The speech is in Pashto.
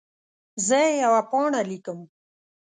زه یوه پاڼه لیکم.